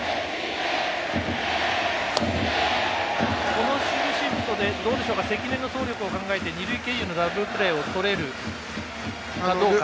この守備シフトで関根の走力を考えて二塁経由のダブルプレーをとれるかどうか。